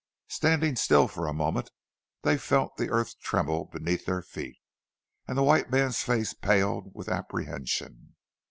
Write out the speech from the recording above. Standing still for a moment, they felt the earth trembling beneath their feet, and the white man's face paled with apprehension.